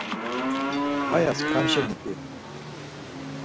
Aya skani şeni p̌i.